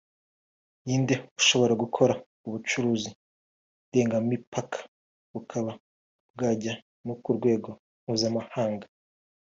n’indi ishobora gukora ubucuruzi ndengamipaka bukaba bwajya no kurwego mpuzamahanga